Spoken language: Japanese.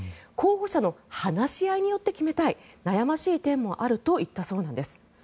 候補者の話し合いによって決めたい悩ましい点もあると言ったそうなんです。